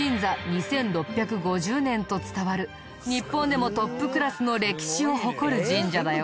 ２６５０年と伝わる日本でもトップクラスの歴史を誇る神社だよ。